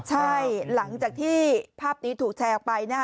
ใช่หลังจากที่ภาพนี้ถูกแชร์ออกไปนะฮะ